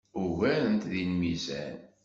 Ugaren-t deg lmizan.